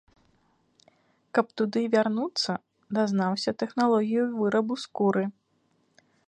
Каб туды вярнуцца, дазнаўся тэхналогію вырабу скуры.